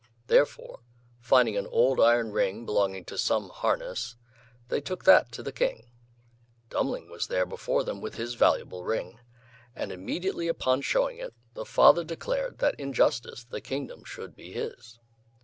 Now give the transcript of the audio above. Therefore, finding an old iron ring belonging to some harness, they took that to the King. Dummling was there before them with his valuable ring, and immediately upon his showing it, the father declared that in justice the kingdom should be his.